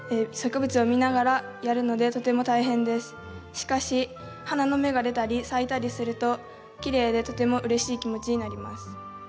しかし花の芽が出たり咲いたりするときれいでとてもうれしい気持ちになります。